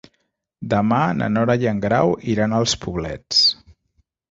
Demà na Nora i en Grau iran als Poblets.